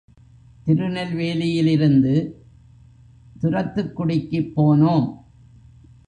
திருநெல்வேலியிலிருந்து துரத்துக்குடிக்குப் போனோம்.